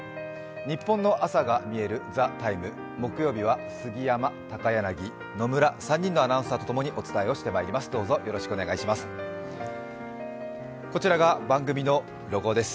ニッポンの朝がみえる「ＴＨＥＴＩＭＥ，」、木曜日は杉山、高柳、野村、３人のアナウンサーと共にお伝えしてまいります。